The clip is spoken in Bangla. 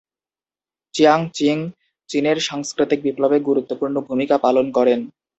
চিয়াং চিং চীনের সাংস্কৃতিক বিপ্লবে গুরুত্বপূর্ণ ভুমিকা পালন করেন।